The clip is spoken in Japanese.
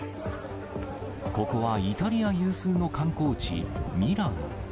ここはイタリア有数の観光地、ミラノ。